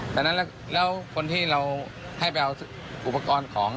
ดังนั้นแล้วคนที่เราให้ไปเอาอุปกรณ์ของ